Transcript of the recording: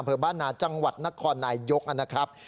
บ้านนาจังหวัดนครนายยกนะครับ